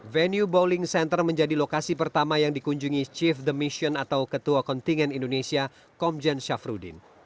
venue bowling center menjadi lokasi pertama yang dikunjungi chief the mission atau ketua kontingen indonesia komjen syafruddin